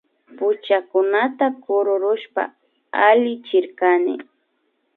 Puchakunata kururushpa allichirkani